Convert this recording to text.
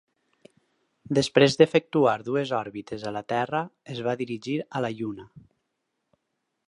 Després d'efectuar dues òrbites a la Terra, es va dirigir a la Lluna.